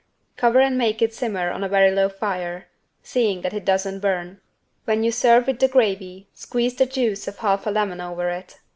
Cover and make it simmer on a very low fire, seeing that it doesn't burn. When you serve with the gravy squeeze the juice of half a lemon over it.